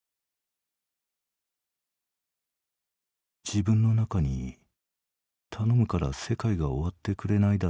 「自分の中に頼むから世界が終わってくれないだろうか。